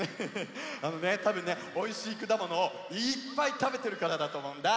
あのねたぶんねおいしいくだものをいっぱいたべてるからだとおもうんだ。